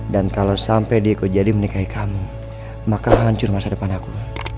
dan kalau sampai diego jadi menikahi kamu maka hancur masa depan aku